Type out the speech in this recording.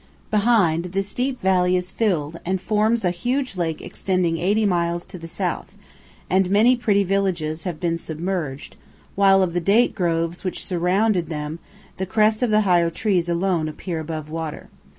Behind, the steep valley is filled, and forms a huge lake extending eighty miles to the south, and many pretty villages have been submerged, while of the date groves which surrounded them the crests of the higher trees alone appear above water.